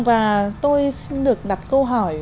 và tôi xin được đặt câu hỏi